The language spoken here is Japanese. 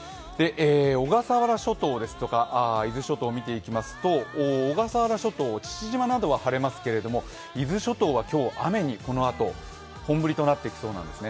小笠原諸島ですとか伊豆諸島を見ていきますと小笠原諸島、父島などは晴れますけれども伊豆諸島は今日、雨にこのあと本降りとなってきそうなんですね。